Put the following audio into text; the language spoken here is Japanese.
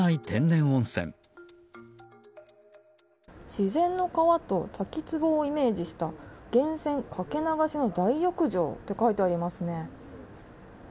自然の川と滝つぼをイメージした源泉かけ流しの大浴場と書いてありますね。